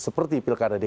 seperti pilkada dki